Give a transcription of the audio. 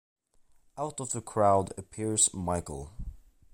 Out of the crowd appears Michael.